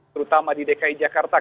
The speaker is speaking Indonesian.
terutama di dki jakarta